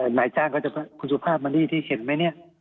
นายจ้างก็จะคุณสุภาพมานี่ที่เห็นไหมเนี่ย